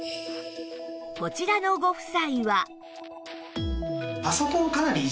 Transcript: こちらのご夫妻は